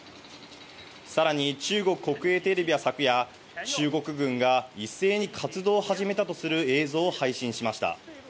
さらに中国国営テレビは昨夜、中国軍が一斉に活動を始めたとする映像を配信しました。